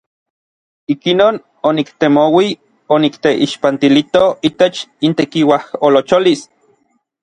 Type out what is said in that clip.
Ikinon oniktemouij onikteixpantilito itech intekiuajolocholis.